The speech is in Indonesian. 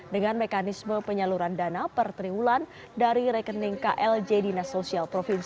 dengan mekanisme penyaluran dana per triwulan dari rekening klj dinas sosial